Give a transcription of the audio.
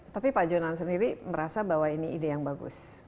tapi pak jonan sendiri merasa bahwa ini ide yang bagus